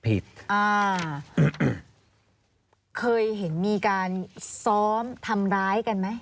มีใครต้องจ่ายค่าคุมครองกันทุกเดือนไหม